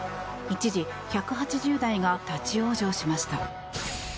一時１８０台が立ち往生しました。